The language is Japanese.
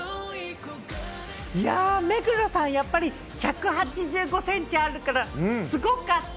目黒さん、やっぱり１８５センチあるから、すごかった？